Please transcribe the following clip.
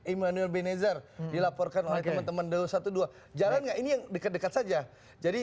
immanuel benizer dilaporkan oleh teman teman dua belas jalan gak ini yang dekat dekat saja jadi